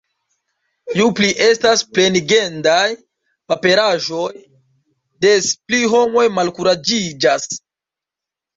Ju pli estas plenigendaj paperaĵoj, des pli homoj malkuraĝiĝas.